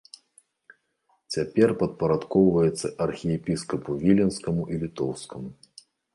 Цяпер падпарадкоўваецца архіепіскапу віленскаму і літоўскаму.